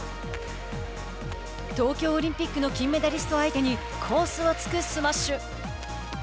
東京オリンピックの金メダリスト相手にコースをつくスマッシュ。